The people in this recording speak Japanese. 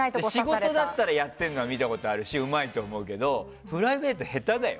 仕事になったらやってるのは分かるし、うまいけどプライベート下手だよ